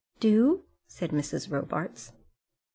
"Do?" said Mrs. Robarts.